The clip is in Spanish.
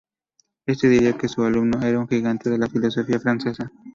Este diría que su alumno era un "gigante" de la filosofía francesa.